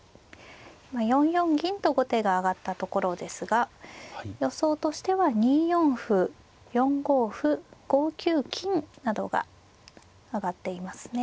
今４四銀と後手が上がったところですが予想としては２四歩４五歩５九金などが挙がっていますね。